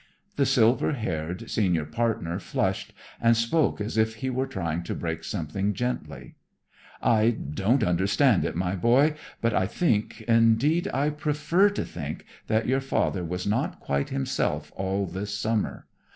The silver haired senior partner flushed and spoke as if he were trying to break something gently. "I don't understand it, my boy. But I think, indeed I prefer to think, that your father was not quite himself all this summer.